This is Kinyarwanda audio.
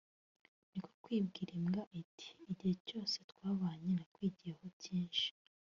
ni ko kubwira imbwa iti “Igihe cyose twabanye nakwigiyeho byinshi